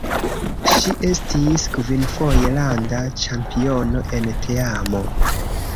Ŝi estis kvinfoje landa ĉampiono en teamo.